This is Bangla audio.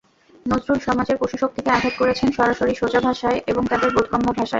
নজরুল সমাজের পশুশক্তিকে আঘাত করেছেন সরাসরি সোজা ভাষায় এবং তাদের বোধগম্য ভাষায়।